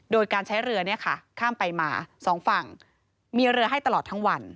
โดยการใช้เรือเนี่ยค่ะข้ามไปมาสองฝั่งมีเรือให้ตลอดทั้งวัน